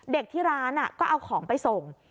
ที่ร้านก็เอาของไปส่ง